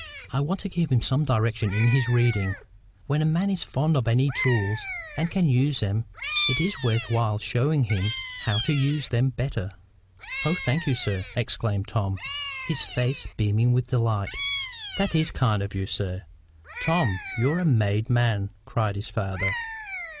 "I want to give him some direction in his reading. When a man is fond of any tools, and can use them, it is worth while showing him how to use them better." "Oh, thank you, sir!" exclaimed Tom, his face beaming with delight. "That IS kind of you, sir! Tom, you're a made man!" cried the father.